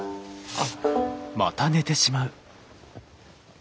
あっ。